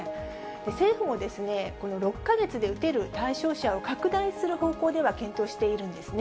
政府も、この６か月で打てる対象者を拡大する方向では検討しているんですね。